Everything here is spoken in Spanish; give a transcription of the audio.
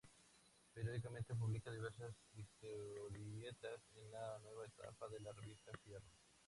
Periódicamente publica diversas historietas en la nueva etapa de la revista "Fierro".